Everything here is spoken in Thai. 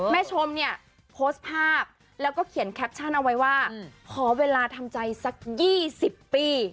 ชมเนี่ยโพสต์ภาพแล้วก็เขียนแคปชั่นเอาไว้ว่าขอเวลาทำใจสัก๒๐ปี